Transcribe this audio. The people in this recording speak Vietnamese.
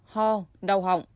ho đau hóa